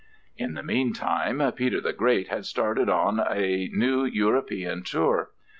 In the meantime Peter the Great had started on a new European tour.